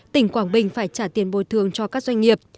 tỉnh quảng bình phải trả tiền bồi thường cho các doanh nghiệp